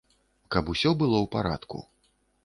Каб усё было ў парадку.